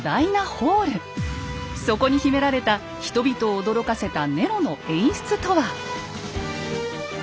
そこに秘められた人々を驚かせたネロの演出とは？